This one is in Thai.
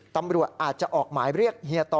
ตำรวจอาจจะออกหมายเรียกเฮียตอ